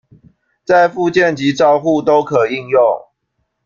在復健及照護都可應用